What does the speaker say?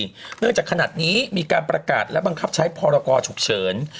เนื่องจากขนาดนี้มีการประกาศและบังคับใช้พรกรฉุกเฉิน